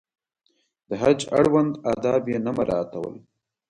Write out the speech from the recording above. د حج اړوند آداب یې نه مراعاتول.